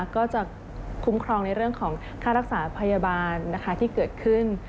ก็จะคุ้มครองในเรื่องของค่ารักษาพยาบาลที่เกิดขึ้น